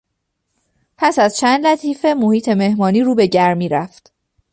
پس از چند لطیفه، محیط مهمانی رو به گرمی گرفت.